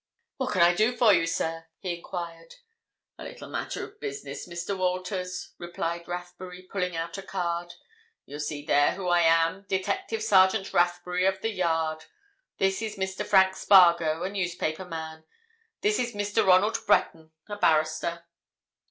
"What can I do for you, sir?" he enquired. "A little matter of business, Mr. Walters," replied Rathbury, pulling out a card. "You'll see there who I am—Detective Sergeant Rathbury, of the Yard. This is Mr. Frank Spargo, a newspaper man; this is Mr. Ronald Breton, a barrister."